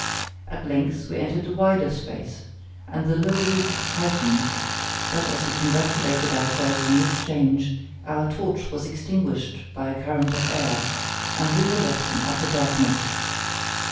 At length we entered a wider space, and the low roof heightened; but, as we congratulated ourselves on this change, our torch was extinguished by a current of air, and we were left in utter darkness.